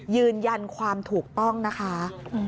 ยืนยันความถูกต้องนะคะ